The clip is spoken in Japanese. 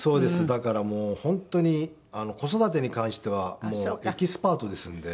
だからもう本当に子育てに関してはエキスパートですので。